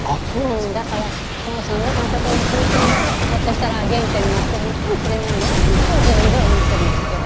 うんだからその３年生の時の経験がひょっとしたら原点になってるんかもしれないなと自分では思ってるんですけど。